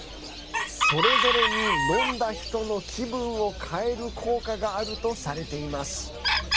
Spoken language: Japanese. それぞれに飲んだ人の気分を変える効果があるとされています。